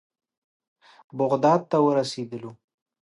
بغداد ته ورسېدلو.